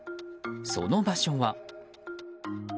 その場所は。